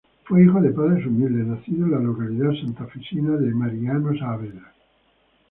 Fue hijo de padres humildes, nacido en la localidad santafesina de Mariano Saavedra.